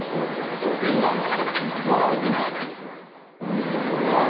それがワーグナー。